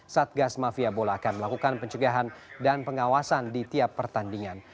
satgas mafia bola akan melakukan pencegahan dan pengawasan di tiap pertandingan